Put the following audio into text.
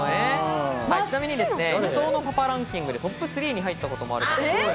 ちなみに、理想のパパランキングでトップ３に入ったこともある。